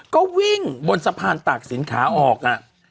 ก็วิ่งบนสะพานตากศิลปขาออก